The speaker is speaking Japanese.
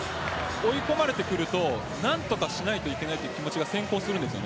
追い込まれてくると何とかしないといけないという気持ちが先行します。